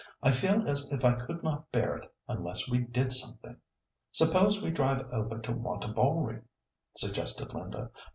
I feel as if I could not bear it unless we did something." "Suppose we drive over to Wantabalree?" suggested Linda.